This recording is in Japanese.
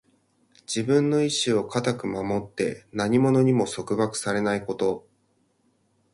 自分の意志を固く守って、何者にも束縛されないこと。